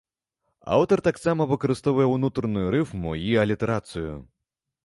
Аўтар таксама выкарыстоўвае ўнутраную рыфму і алітэрацыю.